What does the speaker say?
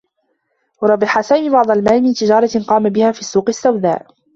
ربح سامي بعض المال من تجارة قام بها في السّوق السّوداء.